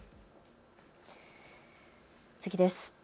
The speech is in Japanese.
次です。